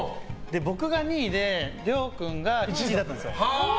僕が２位で亮君が１位だったんですよ。